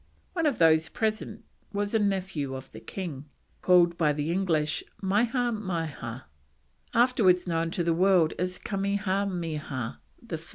One of those present was a nephew of the king, called by the English Maiha Maiha, afterwards known to the world as Kamehameha I.